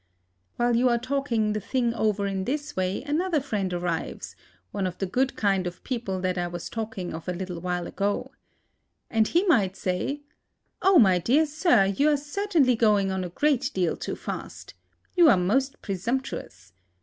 While you are talking the thing over in this way, another friend arrives, one of the good kind of people that I was talking of a little while ago. And he might say, "Oh, my dear sir, you are certainly going on a great deal too fast. You are most presumptuous.